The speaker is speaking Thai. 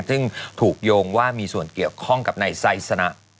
ซึ่งถูกโยงว่ามีส่วนเกี่ยวข้องกับนายไซสนะ